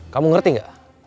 kamu ngerti gak